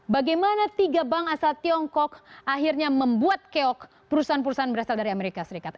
bagaimana tiga bank asal tiongkok akhirnya membuat keok perusahaan perusahaan berasal dari amerika serikat